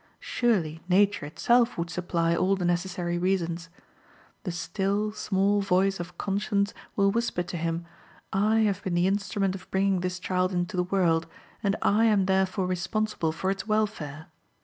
Surely nature itself would supply all the necessary reasons. The still, small voice of conscience will whisper to him, I have been the instrument of bringing this child into the world, and I am therefore responsible for its welfare.